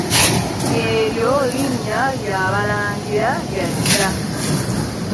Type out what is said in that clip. Eryo linnya lya balangira lya dda.